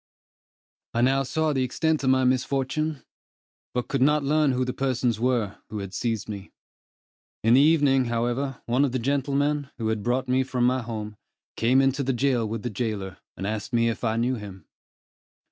I now saw the extent of my misfortune, but could not learn who the persons were, who had seized me. In the evening, however, one of the gentlemen, who had brought me from home, came into the jail with the jailer, and asked me if I knew him.